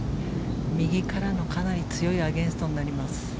右からのかなり強いアゲンストになります。